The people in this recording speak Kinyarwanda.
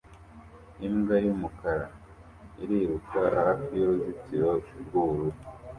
imbwa y'umukara iriruka hafi y'uruzitiro rw'ubururu